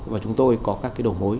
và chúng tôi có các cái đồ mối